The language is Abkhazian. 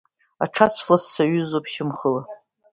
Аҽацә лас саҩызоуп шьамхыла.